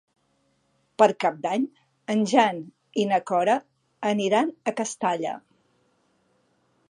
Per Cap d'Any en Jan i na Cora aniran a Castalla.